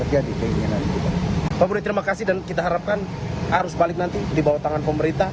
terima kasih dan kita harapkan harus balik nanti di bawah tangan pemerintah